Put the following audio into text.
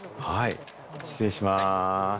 失礼します。